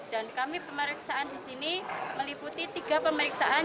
dan kami pemeriksaan di sini meliputi tiga pemeriksaan